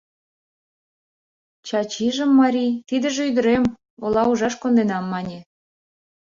Чачижым марий «тидыже — ӱдырем, ола ужаш конденам» мане...